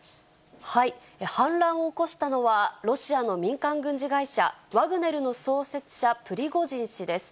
反乱を起こしたのは、ロシアの民間軍事会社、ワグネルの創設者、プリゴジン氏です。